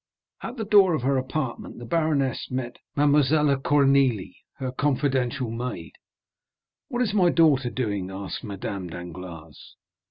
At the door of her apartment the baroness met Mademoiselle Cornélie, her confidential maid. "What is my daughter doing?" asked Madame Danglars.